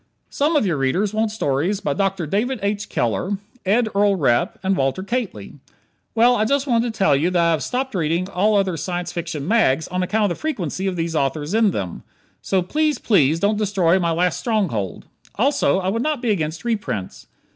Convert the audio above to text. Some of your readers want stories by Dr. David H. Keller, Ed Earl Repp and Walter Kately. Well, I just wanted to tell you that I have stopped reading all other Science Fiction "mags" on account of the frequency of these authors in them. So please, please, don't destroy my last stronghold. Also, I would not be against reprints.